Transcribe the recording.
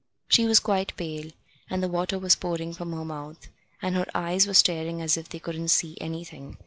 She was quite pale, and the water was pouring from her mouth, and her eyes were staring as if they couldn't see anything.